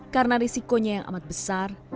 karena risikonya yang amat besar